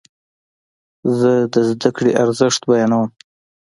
زه د زده کړې ارزښت بیانوم.